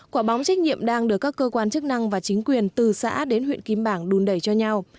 quả bóng trách nhiệm đang được các cơ quan chức năng và chính quyền từ xã đến huyện kim bảng đùn đẩy cho nhau